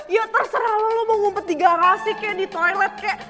ya terserah lo mau ngumpet di garasi kek di toilet kek